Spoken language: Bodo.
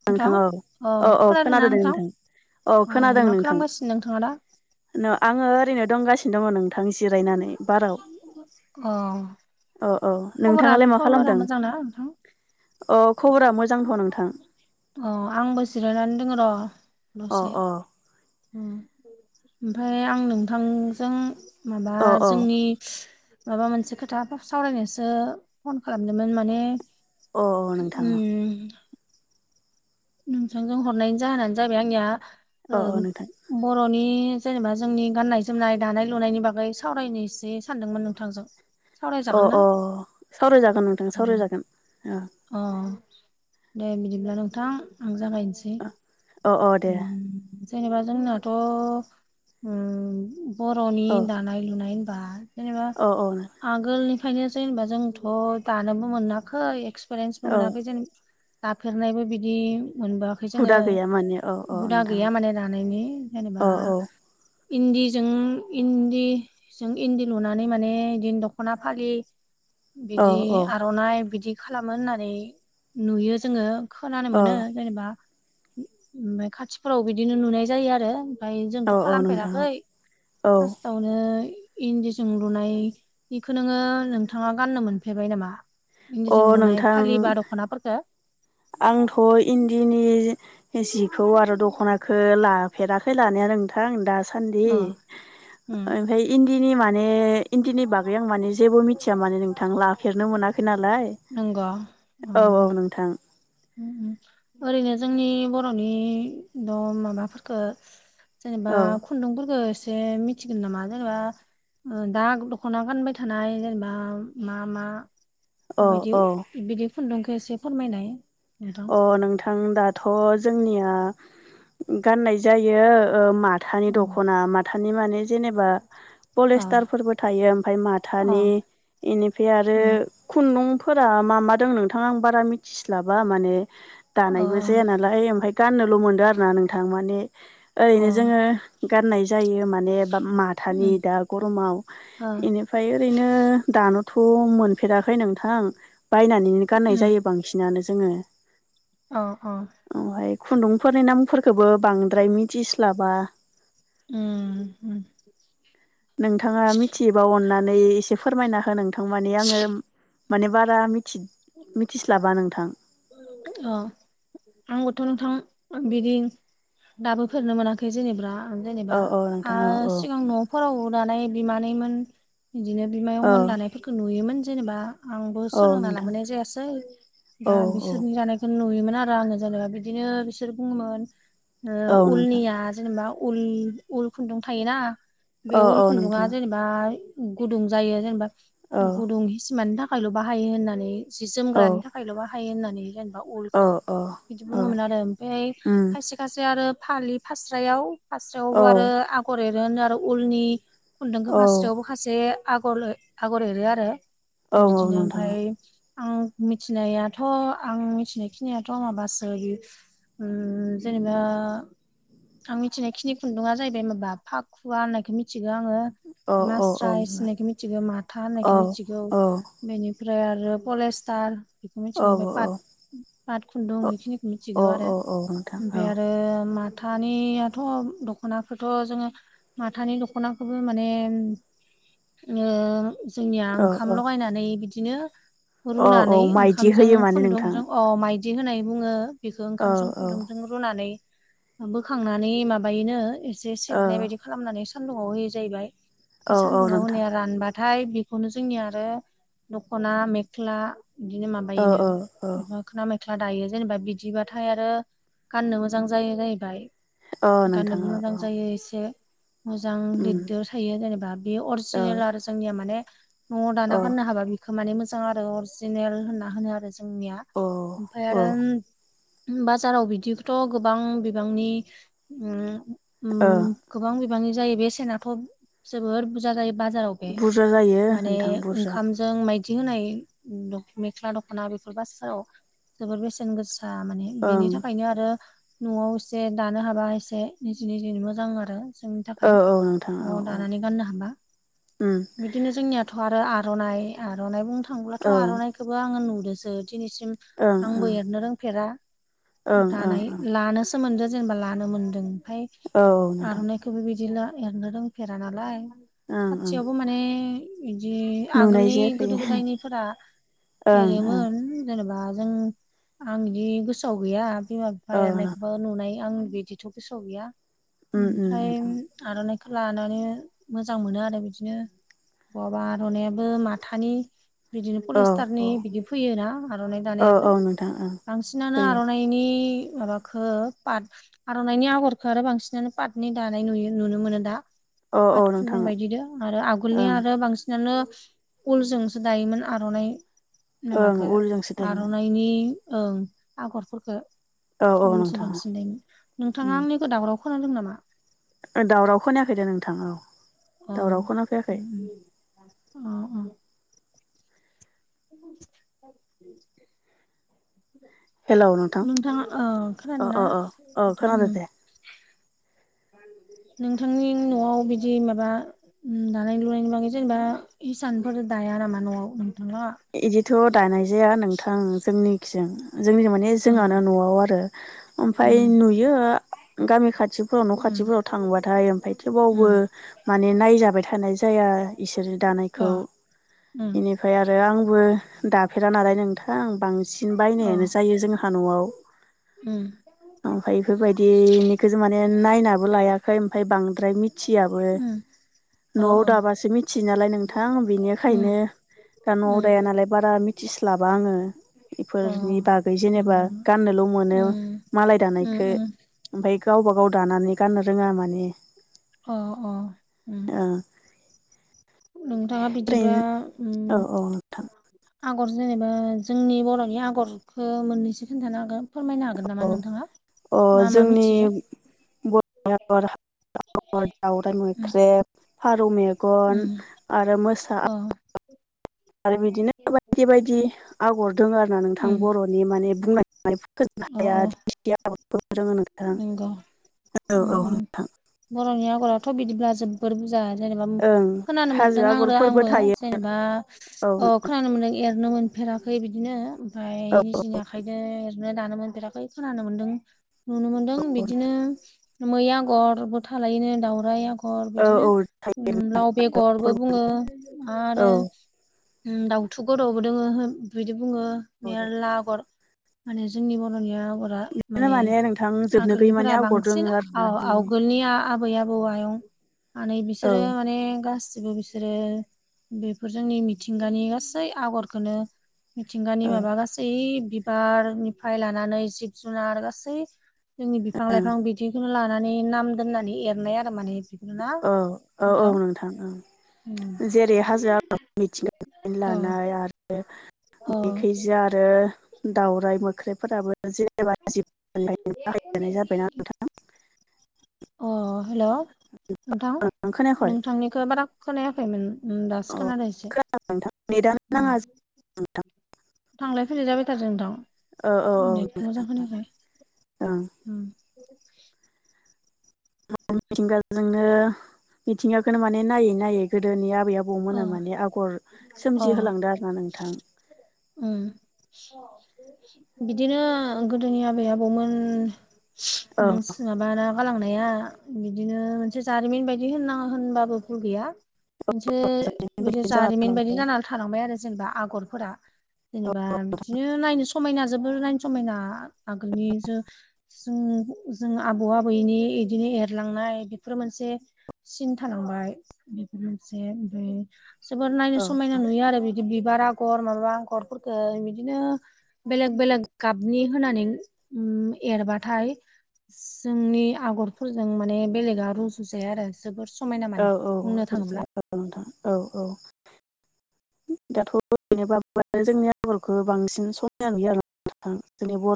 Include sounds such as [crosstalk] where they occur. नोंथां अ औ औ खोनादों ना दे नोंथां औ अ मा खालामगासिनो नोंथाङा दा नो आङो ओरैनो दंगासिनो दङ नोंथां जिरायनानै बाराव अ अ अ खबरा नोंथाङालाय मा खबरा खालामदों? मोजांना नोंथां अ खबरा मोजांथ नोंथां अ आंबो जिरायनानै दङ र' अ दसे अ ओमफ्राय आं नोंथांजों माबा अ अ जोंनि माबा मोनसे खोथा सावरायनोसो फन खालामदोंमोन माने अ नोंथां उम नोंथांजों हरनायनि जाहोनानो जाबाय आंनिया अ अ नोंथां ओ बर'नि जेनेबा जोंनि गाननाय, जोमनाय, दानाय, लुनायनि बागै सावरायनोसै सानदोंमोन नोंथांजों अ सावरायजागोन ना अ सावरायजागोन नोंथां सावरायजागोन अ दे बिदिब्ला नोंथां आं जागायनोसै अ अ दे उम जेनेबा जोंनाथ' उम बर'नि औ दा नाय लुनाय होनबा जेनेबा औ औ आगोलनिफ्रायनो जेनेबा जोंथ' दानोबो मोनाखै एक्सपिरियेन्सबो औ मोनाखै जों दाफेरनायबो बिदि मोनबोआख हुदा गैया माने औ औ हुदा नोंथां गैया माने दानायनि जेनेबा औ इन्दिजों इन्दि जों इन्दि लुनानै माने बिदिनो दख'ना फालि औ बिदि औ आर'नाइ बिदि खालामो होननानै नुयो जोङो खोनानो मोनो औ जेनेबा ओमफ्राय खाथिफोराव बिदिनो नुनाय जायो आरो ओमफ्राय जोंथ' औ नोंथां खालामफेराखै औ [unintelligible] आवनो इन्दिजों लुनाय बिखौ नोङो नोंथाङा गाननो मोनफेरबाय नामा? अ इन्दिजों लुनाय फालि नोंथां बा दख'नाफोरखो आंथ' इन्दिनि जिखौ आरो दख'ना खो लाफेराखै लानाया नोंथां दासान्दि अ उम ओमफाय इन्दिनि माने इन्दिनि बागै आं माने जेबो मिथिया माने नोंथां लाफेरनो मोनाखै नालाय नोंग औ औ नोंथां ओरैनो जोंनि बर'नि द' माबाफोरखौ जेनेबा औ खुन्दुंफोरखौ एसे मिथिगोन नामा जेनेबा ओ दा दख'ना गानबाय थानाय जेनेबा मा मा औ माबायदि औ बिदि खुन्दुंखो एसे फोरमायनाय नोंथां अ नोंथां दा थ' जोंनिया गाननाय जायो ओ मा माथानि उम दख'ना माथानि माने जेनेबा अ पलिस्टारफोरबो थायो ओमफ्राय माथानि अ इनिफ्राय आरो उम खुन्दुंफोरा मा मा दों नोंथां आं बारा मिथिस्लाबा माने अ दानायबो जाया नालाय ओमफ्राय गाननोल' मोनदों आरोना नोंथां माने अ ओरैनो जोङो गानाय जायो माने बा माथानि उम दा गरमाव अ इनि फ्राय ओरैनो दानोथ' मोनफेराखै नोंथां बायनानैनो गाननाय जायो बां सिनानो जोङो औ औ [unintelligible] हाय खुन्दुंफोरनि नामफोरखौबो बांद्राय मिथिस्लाबा उ नोंथाङा मिथिबा अननानै एसे फोरमायना हो नोंथां मानि आङो माने बारा मिथि मिथिस्लाबा नोंथां अ आंबोथ' नोंथां बिदि दाबो फेरनो मोनाखै जेनेबा जेनेबा औ औ ओ नोंथां औ सिगांनो खराव दानाय बिमानैमोन बिदिनो बिमायंमोन दानायफोरखौ नुयोमोन जेनेबा आंबो औ सोलोंना नोंथां लाबोनाय जायासै औ दा बिसोरनि औ जानाय [unintelligible] नुयोमोन आरो आङो जेनेबा बिदिनो बिसोर बुङोमोन ओ औ नोंथां उलनिया जेनेबा उल उल खुन्दुं थायोना बे औ उल औ खुन्दुङा नोंथां जेने बा गुदुं जायो जेनेबा औ गुदुं सिमानि थाखायल' बाहायो होननानै जि औ जोमग्रानि थाखायल' बाहायो होननानै जेनेबा औ उलखो औ बिदि औ बुङोमोन आरो ओमफ्राय उम खायसे खायसे आरो फालि फास्रायाव फास्रायावबो औ आरो आगर एरोनो आरो उलनि खुन्दुंखौ औ फास्रयावबो माखासे आगर आगर एरो आरो औ औ बिदिनो नोंथां ओमफाय आं मिथिनायाथ' आं मि मिथिनायाथ' माबासो बि उ जेनेबा आं मिथिनाय खिनि खुन्दुा जाहैबाय माबा पाखुवा होननायखौ मिथिगौ आङो औ औ औ मास्रायस होननायखौ मिथिगौ माथा होननायखौ औ मिथिगौ औ बेनिफ्राय आरो पलेस्टार बेखौ मिथिगौ अ ओमफाय पाट पाट खुन्दुं बेखिनिखौ मिथिगौ आरो औ औ नोंथां औ ओमफाय आरो मा थानियाथ' दख'नाखोथ' जोङो माथानि दखनाखौबो माने ओ जोंनिया औ ओंखाम औ लगायनानै बिदिनो औ औ रुनानै माइदि ओंखामजों होयो माने नोंथां खुन्दुंजों अ मायदि होनाय बुङो बेखौ औ ओंखामजों औ खुन्दुंजों रुनानै बोखांनानै माबायोनो एसेे औ सेबनाय बायदि खालामनानै सान्दुङाव होयो जाहैबाय बे औ औ सान्दुंआव नोंथां होनाया रानबा फाय बेखौनो जोंनिआ आरो दख'ना मेख्ला ओ ओ ओ मोखोना मेख्ला दायो जेनेबा बिदिबाथाय आरो गाननो मोजां जायो जाहैबाय। ओ नोंथां गाननोबो ओ मोजां औ जायो एसे मोजां उम लिददो थायो जेनेबा बे ओ अरिजिनेल आरो जोंनिया माने न'आव दाना औ गाननो हाबा बेखौ माने मोजां आरो अरिजिनेल होनना होनो आरो जोंनि औ ओमफाय औ आरो बाजाराव बिदिथ' गोबां बिबांनि उम ओ उम गोबां बिबांनि जायो बेसेनाथ' जोबोर बुरजा जायो बाजाराव। [unintelligible] बुरजा जायो माने नोंथां बुरजा ओंखाम जों मायदि होनाय दख मेख्ला दख'ना बेफोर बासाव जोबोर बेसेन गोसा माने ओं बेनि थाखायनो आरो न'आव इसे दानो हाबा एसे निजि निजि मोजां आरो जोंनि औ थाखाय औ नोंथां औ न'आव औ दानानै गाननो हाबा उम बिदिनो जोंनिया थ' आरो आर'नाइ आर'नाइ बुंनो थाङोब्लाथ' औ ओं आर'नाइखौबो आङो नुदोंसो दिनैसिम ओं आंबो एरनो रोंफेरा ओं ओं दानाय लानोस सो मोनदो जेनेबा लानो मोन्दों ओमफाय औ औ नोंथां आरनाइ थ बेबायदिल एरनो रोंफेरा नालाय ओं ओं खाथियावबो माने बिदि नुनाय आगोलनि जायाखै गोदो गोदायनिफोरा ओं ओं एरोमोन जेनेबा जों आं बिदि गोसोआव गैया बिमा बिफा औ एरनायबो नुनाय आं बिदिथ' गोसो गैया उम उम ओमफ्राय नोंथां आर'नाइखौ लानानै मोजां मोनो आरो बिदिनो बहाबा आर'नायइाबो माथानि बिदिनो औ पलिस्टारनि औ बिदि फैयोना आर'नाइ औ याबो औ नोंथां ओं बांसिनानो फैयो आर'नाइनि माबाखौ पाट आर'नाइनि आगरखौ आरो बांसिनानो पातनि दानाय नु नुनो मोनो दा। औ औ पाट खुन्दुं नोंथां बायदिदो आरो आगोलनि ओं आरो बांसिन जोंनो उलजोंसो दायोमोन आर'नाइ ओं माबाखो उलजोंसो थायोमोन नायनि ओं आगरफोरखो औ औ उलसो नोंथां बांसिन दायोम। नोंथाङा उम आंनिखौ दावराव खोनादोंदों नामा? दावराव खोनायाखै दे नोंथां औ दावराव अ खोनाफैयाखै अ अ हेलौ नोंथां [inaudible] नोंथाङा औ अ खोनादोंना अ अ अ खोनादों उम दे नोंथांनि न'आव बिदि माबा उम दानाय लुनायनि बागै जेनेबा हिसानफोर दाया नामा न'आव नोंथांलाहा? इदिथ' दानाय जाया नोंथां जोंनिखिजों जोंनिजों माने ने अ जोंहानो न'आव आरो ओमफ्राय उम नुयो गामि खाथि फोराव न' उम खाथिफोव थांबाथाय ओमफ्राय थेबावबो उम माने नायजाबाय थानाय जाया इसोरनि अ दानायखौ इनिफ्राय आ रो आंबो दाफेरा नालाय नोंथां बां सिन बायनायानो जायो जोंहा न'आव। उम ओमफाय इफोरबायदिनिखौ जों माने नायनाबो लायाखै ओमफ्राय बांद्राय मिथियाबो। न'आव अ दाबासो मिथियो नालाय नोंथां बिनिखायनो दा न'आव दाया नालाय बारा मिथिस्लाबा आङो। इफोरनि बागै जेनेबा गाननोल' मोनो मालाय दानायखो। ओमफाय गावबागाव दानानै गाननो रोङा माने अ अ उम ओ नोंथाङा बिदिबा ओरैनो उम औ औ नोंथां आगर जेनेबा जोंनि बर'नि आगरखौ मोननैसो खोन्थानो हागोन। फोरमायनो हागोन नामा औ नोंथांङा? मा मा मिथियो। [unintelligible] दाउराइ उम मोख्रेब फारौ मेगन उम आरो मोसा अ आरो बिदिनो बायदि बायदि आगर दोंङो आरोना नोंथां उम अ अ [unintelligible] नंगौ औ उम औ उम नोंथां बर'नि आगरथ' बिदिब्ला जोब जोबोर बुरजा जेनेबा ओं खोनानो हाजो मोनदों आं आरो आगरफोरबो आंबो थायो जेनेबा औ अ खोनानो मोन्दों एरनो मोनफेराखै बिदिनो ओमफाय औ औ जिया आखायदो ओरैनो दानोमोन बिराखै खोनानो मोन्दों नुनो मोन्दों औ बिदिनो मै आगरबो थालायोनो दाउराय आग' गर बिदिनो औ थायो लाव बेगरबो बुङो औ आरो दाउथु गद'बो दङो बिदि बुङो बिदिनो मेरला आगर माने जोंनि बर'नि आगरा माने नोंथां जोबनो गैयै आगोलनिफोरा माने आगर दोङो बांसिन औ आरोना जोंनि आवगोलनि आबै आ बौ, आयं, आनै औ बिसोरो माने गासिबो बि सोरो बेफोर जोंनि मिथिंगानि गासै आगरखोनो मिथिंगानि माबा गासै बिबारनिफ्राय लानानै जिब जुनार गासै जोंनि बिफां लाइफां बिदिखौनो लानानै नाम दोननानै एरनाय आरो माने बेखौनो ना ओ औ औ नोंथां औ अ जेरै हाजो [unintelligible] मिथिंगानि अ लानाय आरो ओ बेखैजा आरो दावराइ मोख्रेफोराबो [unintelligible] अ हेल' नोंथां खोनायाखै नोंथांनिखो बारा खोनायाखैमोन उन अ दासो खोनादों एसे खोनादों नोंथां नेटानो उम नाङा जों नोंथां थांलाय फैलाय जाबाय थादों नोंथां औ औ औ नेट खौ मोजां खोनायाखै ओं उम [unintelligible] जोंनो मिथिंङाखोनो माने नायै नायै गोदोनि आबै अ आबौमोना माने आगर अ सोमजि होलांदों आरो ना नोंथां। उम बिदिनो गोदोनि आबै आबौमोन औ सोयाबा ना गालांनाया बिदिनो मोनसे जारिमिन बायदि होन्नां होनबाबो यो गैया मोनसे बिदि जाना जारिमिन बायदि थालांबाय जान थालांबाय आरो जेनबा आगर फोरा जेनेबा बिदिनो नायनो समायना जोबोर नायनो समायना आगोलनि जो जों जों आबौ आबैनि इदिनो एरलांनाय बेफोर मोनसे सिन थालांबाय बेफोर मोनसे ओमफ्राय जोबोर नायनो औ समायना नुयो आरो बे बिबार आगर माबा आगरफोरफोरखो बिदिनो बेलेग बेलेग गाबनि होनानै उम एरबाथाय जोंनि आगरफोरजों माने बेलेगा रुजुजाया आरो जोबोर समायना माने बुंनो थाङोब्ला ओ नोंथां औ औ ज [unintelligible] जोंनि बर'